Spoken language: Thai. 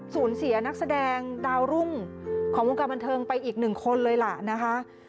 สูญเสียนักแสดงดาวรุ่งของวงการบันเทิงไปอีกหนึ่งคนเลยล่ะนะคะ